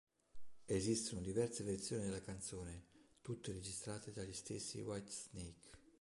Esistono diverse versioni della canzone, tutte registrate dagli stessi Whitesnake.